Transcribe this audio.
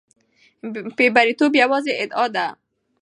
بې پرېتوب یوازې ادعا ده.